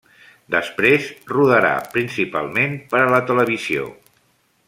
Després, rodarà principalment per a la televisió.